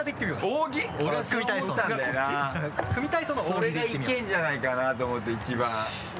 それがいけるんじゃないかなと思って一番。